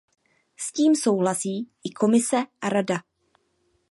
S tím souhlasí i Komise a Rada.